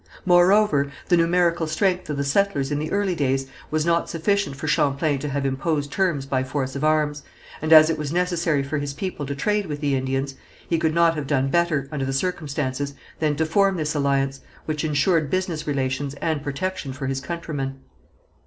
Moreover the numerical strength of the settlers in the early days was not sufficient for Champlain to have imposed terms by force of arms, and as it was necessary for his people to trade with the Indians, he could not have done better, under the circumstances, than to form this alliance, which insured business relations and protection for his countrymen.